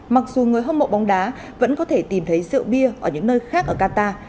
mặc dù người hâm mộ bóng đá vẫn có thể tìm thấy rượu bia ở những nơi khác ở qatar